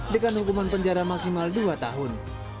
dengan hukuman penjara maksimal dua tahun